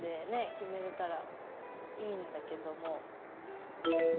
決めれたらいいんだけども。